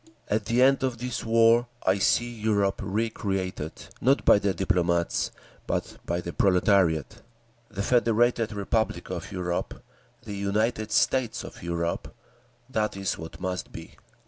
_… "At the end of this war I see Europe recreated, not by the diplomats, but by the proletariat. The Federated Republic of Europe—the United States of Europe—that is what must be.